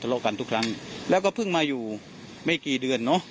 โลกกันทุกครั้งแล้วก็เพิ่งมาอยู่ไม่กี่เดือนเนอะ